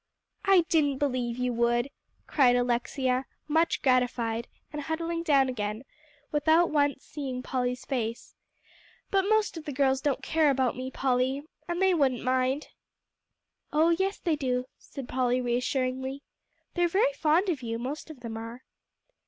"I didn't believe you would," cried Alexia, much gratified, and huddling down again, without once seeing Polly's face, "but most of the girls don't care about me, Polly, and they wouldn't mind." "Oh yes, they do," said Polly reassuringly, "they're very fond of you, most of them are."